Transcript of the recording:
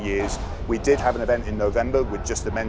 kami memiliki event di november dengan tim lelaki